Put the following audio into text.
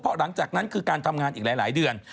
เพราะหลังจากนั้นคือการทำงานอีกหลายเดือน